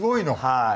はい。